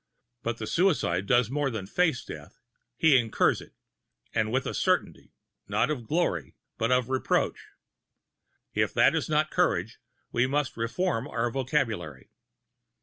But the suicide does more than face death; he incurs it, and with a certainty, not of glory, but of reproach. If that is not courage we must reform our vocabulary.